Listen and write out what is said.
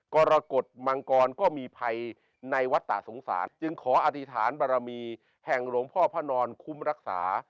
กรกฎมังกรก็มีภัยในวัตตาสงสารจึงขออธิษฐานบารมีแห่งหลวงพ่อพระนอนคุ้มรักษา